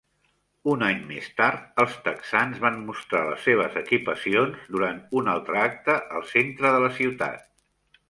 Un any més tard els Texans van mostrar les seves equipacions durant un altre acte al centre de la ciutat.